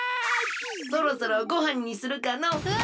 そろそろごはんにするかのう。うわ！